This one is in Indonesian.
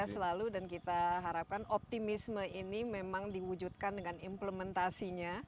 sehat selalu dan kita harapkan optimisme ini memang diwujudkan dengan implementasinya